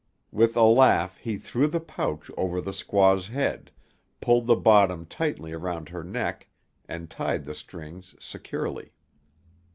With a laugh he threw the pouch over the squaw's head, pulled the bottom tightly around her neck, and tied the strings securely.